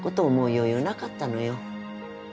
余裕なかったのよ